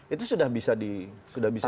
itu sudah bisa di petakan